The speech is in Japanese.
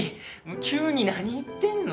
急に何言ってんの？